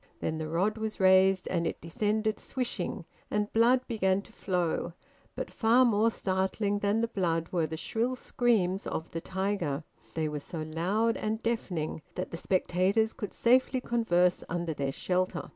Then the rod was raised and it descended swishing, and blood began to flow; but far more startling than the blood were the shrill screams of the tiger; they were so loud and deafening that the spectators could safely converse under their shelter.